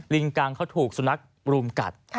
กังเขาถูกสุนัขรุมกัด